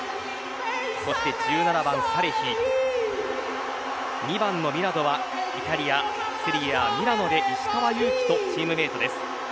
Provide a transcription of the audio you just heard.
そして１７番、サレヒ２番のミラドはイタリア・セリエＡミラノで石川祐希とチームメートです。